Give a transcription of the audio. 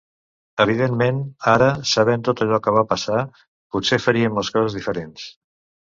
Evidentment, ara, sabent tot allò que va passar, potser faríem les coses diferents.